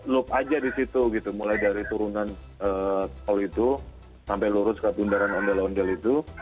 loop aja di situ gitu mulai dari turunan tol itu sampai lurus ke bundaran ondel ondel itu